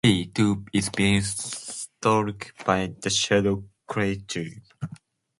She, too, is being stalked by the shadowy creatures.